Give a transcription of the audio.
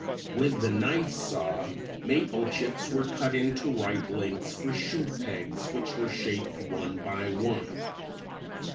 With the knife saw maple chips were cut into right lengths for shoe pegs which were shaped one by one.